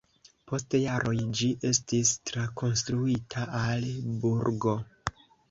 Post jaroj ĝi estis trakonstruita al burgo.